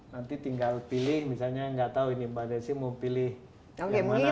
nanti tinggal pilih misalnya nggak tahu ini mbak desi mau pilih yang mana